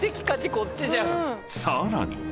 ［さらに］